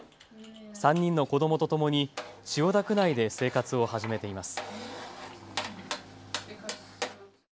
３人の子どもとともに千代田区内で生活を始めています。